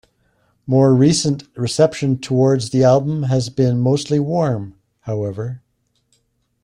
More recent reception towards the album has been mostly warm, however.